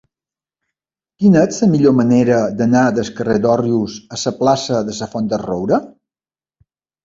Quina és la millor manera d'anar del carrer d'Òrrius a la plaça de la Font del Roure?